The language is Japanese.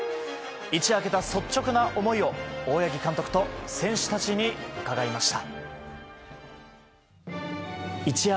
一夜明けた率直な思いを大八木監督と選手たちに伺いました。